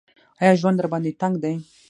ایا ژوند درباندې تنګ دی ؟